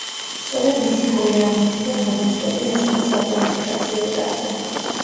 სწორედ მისი გოლი აღმოჩნდა გადამწყვეტი მესამე საკვალიფიკაციო ეტაპზე.